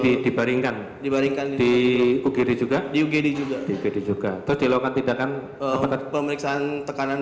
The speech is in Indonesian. dibaringkan dibaringkan di ugd juga juga juga juga atau dilakukan tidakkan pemeriksaan tekanan